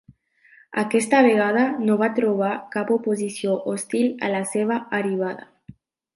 Aquesta vegada no va trobar cap oposició hostil a la seva arribada.